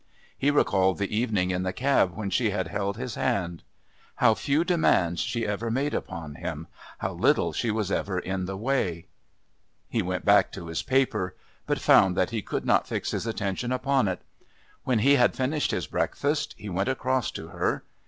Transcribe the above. He recalled the evening in the cab when she had held his hand. How few demands she ever made upon him; how little she was ever in the way! He went back to his paper, but found that he could not fix his attention upon it. When he had finished his breakfast he went across to her.